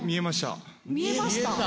「見えました」。